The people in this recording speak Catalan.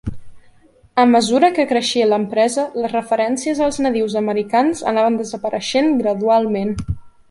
A mesura que creixia l'empresa, les referències als nadius americans anaven desapareixent gradualment.